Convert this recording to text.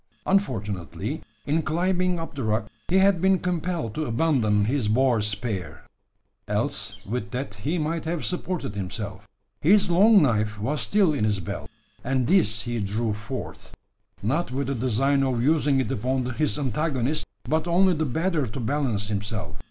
Unfortunately, in climbing up the rock, he had been compelled to abandon his boar spear: else with that he might have supported himself. His long knife was still in his belt; and this he drew forth not with the design of using it upon his antagonist, but only the better to balance himself.